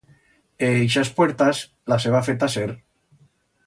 E ixas puertas las heba fetas er.